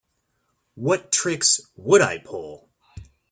What tricks would I pull?